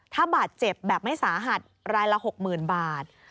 ถ้าบาดเจ็บแบบไม่สาหัสรายละ๖๐๐๐บาท